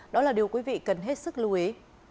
đó là điều quý vị cần hết sức lưu ý